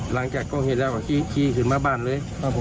หลังจากก่อเหตุแล้วก็ขี่ขึ้นมาบ้านเลยครับผม